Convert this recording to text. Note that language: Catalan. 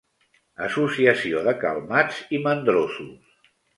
Associació de calmats i mandrosos.